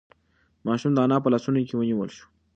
ماشوم د انا په لاسونو کې ونیول شو.